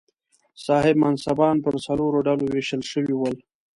صاحب منصبان پر څلورو ډلو وېشل شوي ول.